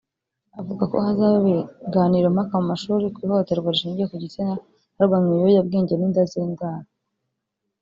Avuga ko hazaba ibiganirompaka mu mashuri ku ihohoterwa rishingiye ku gitsina harwanywa ibiyobyabwenge n’inda z’indaro